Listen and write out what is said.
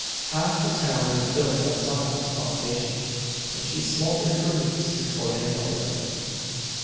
Ha'f the town was built on sawdust foundation an' she smouldered for weeks before they knowed of it.